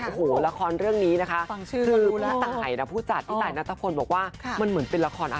โอ้โหละครเรื่องนี้นะคะ